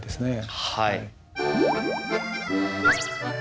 はい。